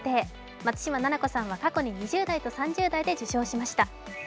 松嶋菜々子さんは過去に２０代と３０代で受賞しました。